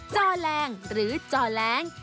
จอแรงหรือจอแรง